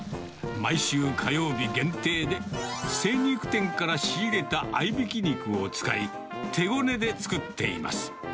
毎週火曜日限定で、精肉店から仕入れた合いびき肉を使い、手ごねで作っています。